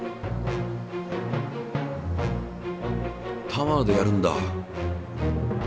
タワーでやるんだ。